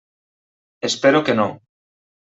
Espero que no.